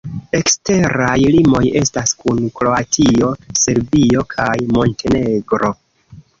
Eksteraj limoj estas kun Kroatio, Serbio kaj Montenegro.